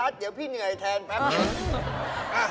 เดี๋ยวพี่เบิร์ดแทนน่ะ